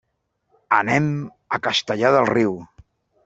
Anem a Castellar del Riu.